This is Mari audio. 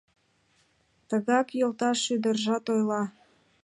Тыгак йолташ ӱдыржат ойла.